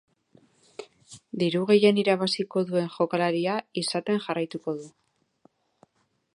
Diru gehien irabaziko duen jokalaria izaten jarraituko du.